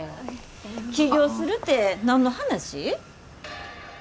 起業するて何の話？